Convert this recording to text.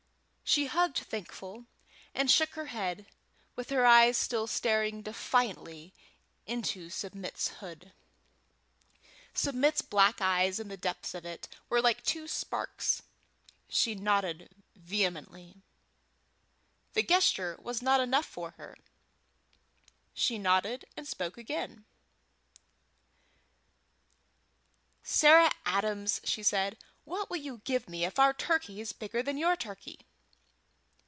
She hugged Thankful, and shook her head, with her eyes still staring defiantly into Submit's hood. Submit's black eyes in the depths of it were like two sparks. She nodded vehemently; the gesture was not enough for her; she nodded and spoke together. "Sarah Adams," said she, "what will you give me if our turkey is bigger than your turkey?"